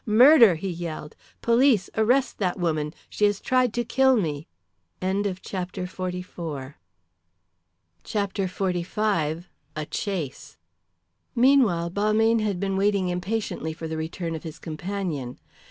"Murder!" he yelled. "Police, arrest that woman; she has tried to kill me!" CHAPTER XLV. A CHASE. Meanwhile, Balmayne had been waiting impatiently for the return of his companion.